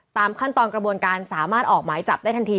ตามขั้นตอนกระบวนการสามารถออกหมายจับได้ทันที